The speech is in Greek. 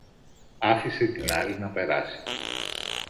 άφησε την άλλη να περάσει